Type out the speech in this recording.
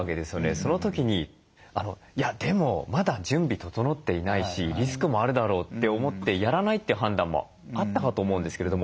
その時に「いやでもまだ準備整っていないしリスクもあるだろう」って思ってやらないって判断もあったかと思うんですけれども。